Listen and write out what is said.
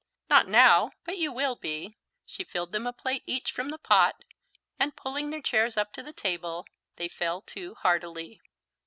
"Not now, but you will be." She filled them a plate each from the pot; and pulling their chairs up to the table, they fell to heartily.